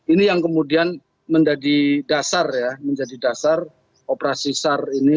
ini yang kemudian menjadi dasar operasi sar ini